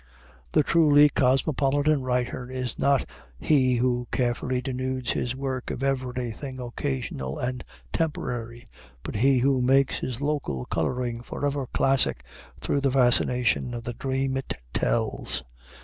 The truly cosmopolitan writer is not he who carefully denudes his work of everything occasional and temporary, but he who makes his local coloring forever classic through the fascination of the dream it tells.